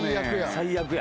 最悪や。